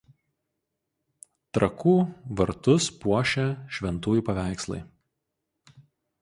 Trakų vartus puošė šventųjų paveikslai.